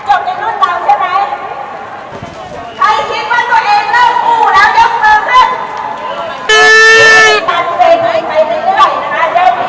ใครคิดว่าตัวเองเล่าคู่แล้วเยอะวินาทีมือนะ